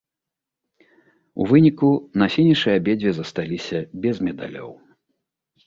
У выніку на фінішы абедзве засталіся без медалёў.